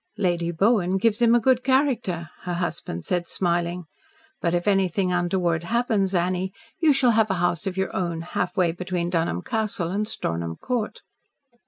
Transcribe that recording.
"Lady Bowen gives him a good character," her husband said, smiling. "But if anything untoward happens, Annie, you shall have a house of your own half way between Dunholm Castle and Stornham Court."